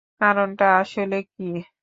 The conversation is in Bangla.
কারণটা আসলে কী?